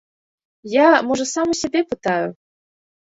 Я, можа, сам у сябе пытаю?